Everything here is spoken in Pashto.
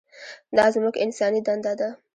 دا زموږ انساني دنده ده.